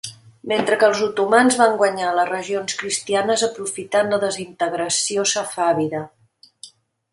Mentre que els otomans van guanyar les regions cristianes aprofitant la desintegració safàvida.